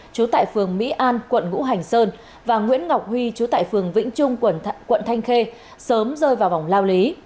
trú tại phường mỹ an quận ngũ hành sơn và nguyễn ngọc huy chú tại phường vĩnh trung quận thanh khê sớm rơi vào vòng lao lý